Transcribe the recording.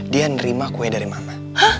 dia nerima kue dari mama